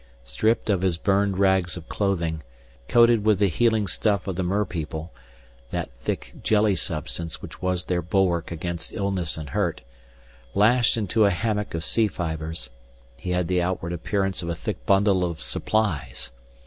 Stripped of his burned rags of clothing, coated with the healing stuff of the merpeople that thick jelly substance which was their bulwark against illness and hurt lashed into a hammock of sea fibers, he had the outward appearance of a thick bundle of supplies.